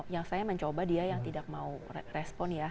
yang saya mencoba dia yang tidak mau respon ya